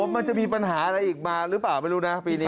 มันจะมีปัญหาอะไรอีกมาหรือเปล่าไม่รู้นะปีนี้